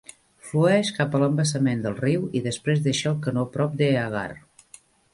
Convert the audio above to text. Flueix cap a l'embassament del riu i després deixa el canó prop d'Eagar.